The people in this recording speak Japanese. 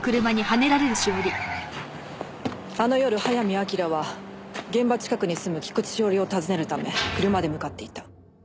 あの夜早見明は現場近くに住む菊地詩織を訪ねるため車で向かっていた。